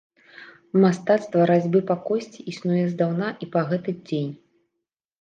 Мастацтва разьбы па косці існуе здаўна і па гэты дзень.